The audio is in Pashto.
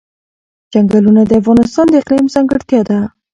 چنګلونه د افغانستان د اقلیم ځانګړتیا ده.